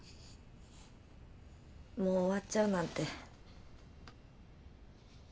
もう終わっちゃうなんて。